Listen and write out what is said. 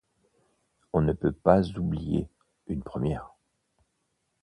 On ne peut pas oublier, une première.